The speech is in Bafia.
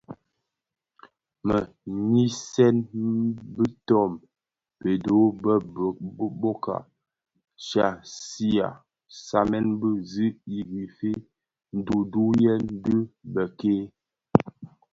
Me nyisen biton bedho bë bōka ghaksiya stamen bi zi I Guife, nduduyèn dhi bëk-ke.